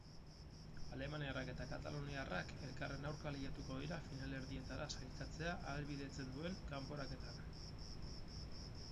Alemaniarrak eta kataluniarrak elkarren aurka lehiatuko dira finalerdietara sailkatzea ahalbidetzen duen kanporaketan.